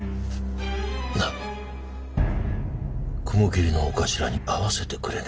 なあ雲霧のお頭に会わせてくれねえか？